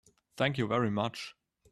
Thank you very much.